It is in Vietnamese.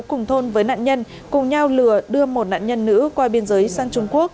cùng thôn với nạn nhân cùng nhau lừa đưa một nạn nhân nữ qua biên giới sang trung quốc